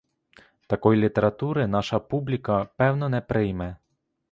Такої літератури наша публіка певно не прийме.